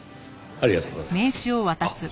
ありがとうございます。